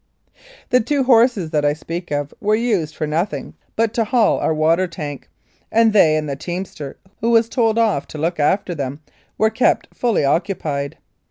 The two horses that I speak of were used for nothing but to haul our water tank, and they, and the teamster who was told off to look after them, were kept fully occupied.